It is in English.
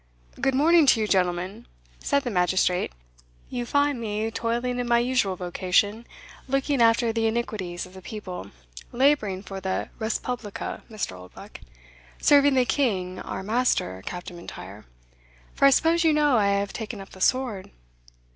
"Good morning to you, gentlemen," said the magistrate; "you find me toiling in my usual vocation looking after the iniquities of the people labouring for the respublica, Mr. Oldbuck serving the King our master, Captain M'Intyre, for I suppose you know I have taken up the sword?"